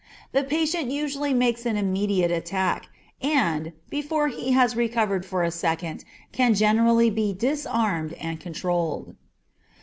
The patient usually makes an immediate attack, and, before he has recovered for a second, can generally be disarmed and controlled.